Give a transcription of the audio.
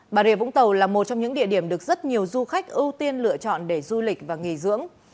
bà rịa vũng tàu là một trong những địa điểm được rất nhiều du khách ưu tiên lựa chọn để du lịch và nghỉ dưỡng